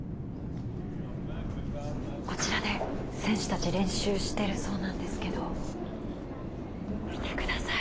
こちらで選手たち練習しているそうなんですけど見てください。